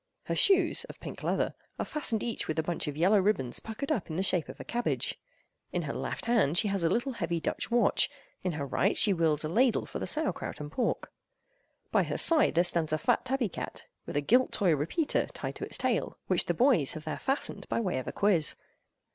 Her shoes—of pink leather—are fastened each with a bunch of yellow ribbons puckered up in the shape of a cabbage. In her left hand she has a little heavy Dutch watch; in her right she wields a ladle for the sauerkraut and pork. By her side there stands a fat tabby cat, with a gilt toy repeater tied to its tail, which "the boys" have there fastened by way of a quiz.